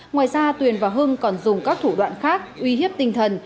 ngoài ra tuyền và hưng còn dùng các thủ đoạn khác uy hiếp tinh thần